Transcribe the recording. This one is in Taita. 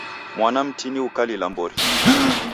Mwana mtini ukalila mbori.